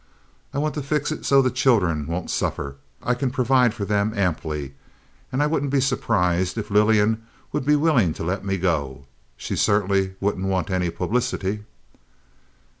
I want to fix it so the children won't suffer. I can provide for them amply, and I wouldn't be at all surprised if Lillian would be willing to let me go. She certainly wouldn't want any publicity."